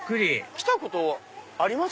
来たことあります？